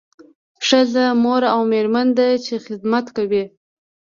ښځه مور او میرمن ده چې خدمت کوي